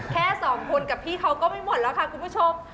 แค่สองคนกับพี่เขาก็ไม่หมดแล้วค่ะคุณผู้ชม